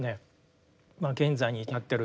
現在に至ってるという。